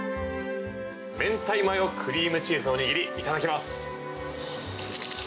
明太マヨクリームチーズのおにぎり、いただきます！